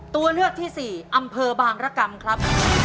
ตัวเลือกที่สี่อำเภอบางรกรรมครับ